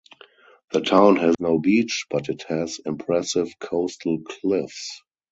The town has no beach, but it has impressive coastal cliffs.